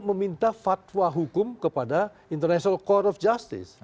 meminta fatwa hukum kepada international court of justice